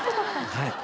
はい。